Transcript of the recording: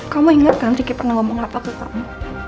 kamu inget kan riki pernah ngomong apa ke kamu